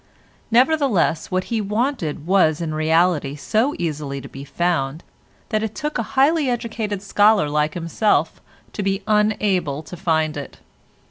Nevertheless, what he wanted was in reality so easily to be found that it took a highly educated scholar like himself to be unable to find it.